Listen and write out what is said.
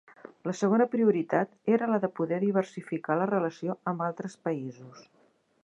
La segona prioritat era la de poder diversificar la relació amb altres països.